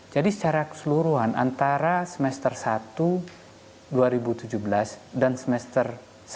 jadi secara keseluruhan antara semester satu dua ribu tujuh belas dan semester satu dua ribu delapan belas